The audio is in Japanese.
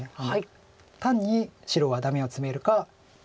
単に白はダメをツメるか。